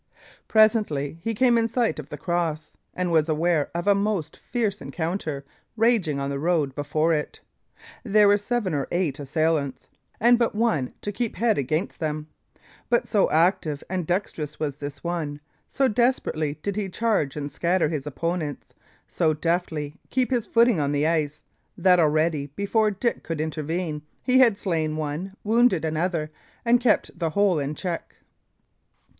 Presently he came in sight of the cross, and was aware of a most fierce encounter raging on the road before it. There were seven or eight assailants, and but one to keep head against them; but so active and dexterous was this one, so desperately did he charge and scatter his opponents, so deftly keep his footing on the ice, that already, before Dick could intervene, he had slain one, wounded another, and kept the whole in check.